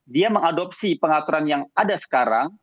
dia mengadopsi pengaturan yang ada sekarang